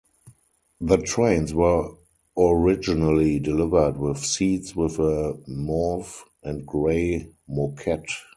The trains were originally delivered with seats with a mauve and grey moquette.